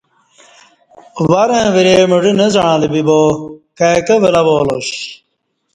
ور وریں مڑہ نہ زعݩلہ بیبا کائیکہ ولہ والاش